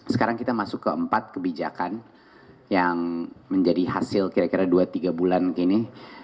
sekarang kita masuk ke empat kebijakan yang menjadi hasil kira kira dua tiga bulan ini